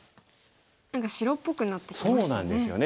何か白っぽくなってきましたね。